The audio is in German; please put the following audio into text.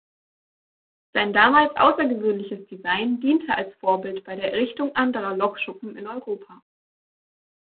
Sein damals außergewöhnliches Design diente als Vorbild bei der Errichtung anderer Lokschuppen in Europa.